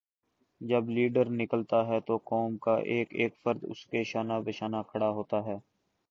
جب لیڈر نکلتا ہے تو قوم کا ایک ایک فرد اسکے شانہ بشانہ کھڑا ہوتا ہے۔